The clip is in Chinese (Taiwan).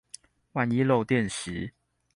萬一漏電時